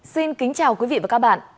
xin kính chào quý vị và các bạn